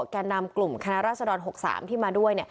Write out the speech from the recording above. แก่นำกลุ่มคณะราษฎร๖๓ที่มาด้วย